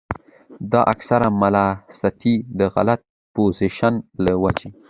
دا اکثر د ملاستې د غلط پوزيشن له وجې